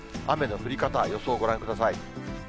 雨の降り方、予想をご覧ください。